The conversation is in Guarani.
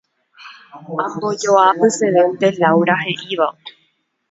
Ambojoapysevénte Laura he'íva.